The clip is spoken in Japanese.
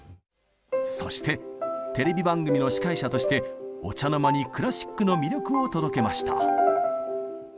そしてテレビ番組の司会者としてお茶の間にクラシックの魅力を届けました。